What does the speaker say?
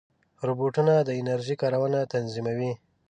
روبوټونه د انرژۍ کارونه تنظیموي.